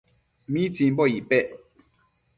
¿mitsimbo icpec